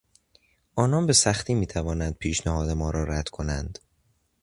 آنان به سختی میتوانند پیشنهاد ما را رد کنند.